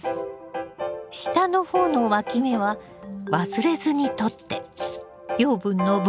下の方のわき芽は忘れずに取って養分の分散を防いでね。